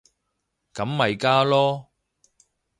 咁咪加囉